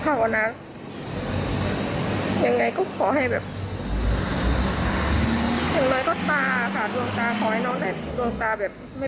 แต่ว่าเรื่องคุณแม่ก็ไม่แน่ใจว่ามันจะเชื่อมยงไหมอย่างนี้อะค่ะ